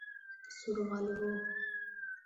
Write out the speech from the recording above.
سور غل وو